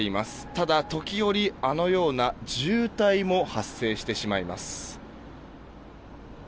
ただ、時折、あのような渋滞も発生してしまいます。